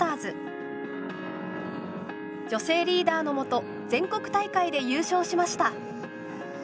女性リーダーのもと全国大会で優勝しました。